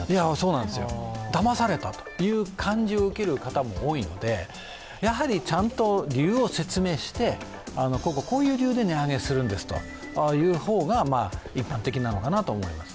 だまされたという感じを受ける人も多いのでやはりちゃんと理由を説明してこうこうこういう理由で値上げするんですという方が一般的なのかなとは思います。